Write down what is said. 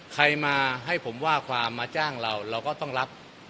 ใครมาให้ผมว่าความมาจ้างเราเราก็ต้องรับ